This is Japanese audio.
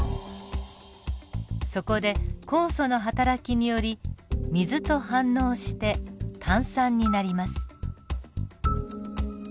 そこで酵素のはたらきにより水と反応して炭酸になります。